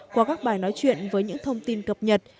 qua các bài nói chuyện với những thông tin cập nhật